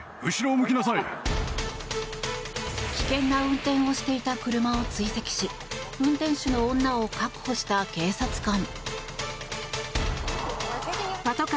危険な運転をしていた車を追跡し運転手の女を確保した警察官。